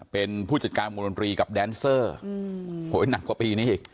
เป็นผู้จัดการวงดนตรีกับแดนเซอร์โหยหนักกว่าปีนี้อีก